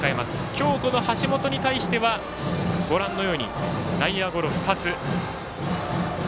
今日、橋本に対しては内野ゴロ２つ。